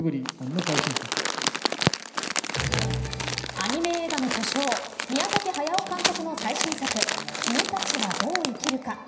アニメ映画の巨匠宮崎駿監督の最新作君たちはどう生きるか。